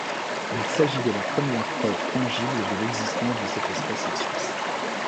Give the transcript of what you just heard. Il s'agit de la première preuve tangible de l'existence de cette espèce en Suisse.